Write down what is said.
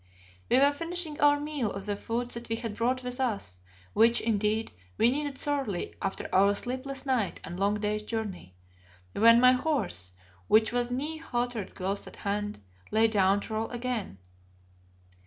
We were finishing our meal of the food that we had brought with us, which, indeed, we needed sorely after our sleepless night and long day's journey, when my horse, which was knee haltered close at hand, lay down to roll again.